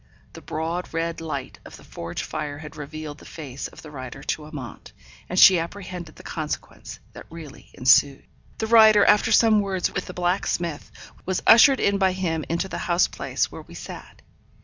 The broad red light of the forge fire had revealed the face of the rider to Amante, and she apprehended the consequence that really ensued. The rider, after some words with the blacksmith, was ushered in by him into the house place where we sat.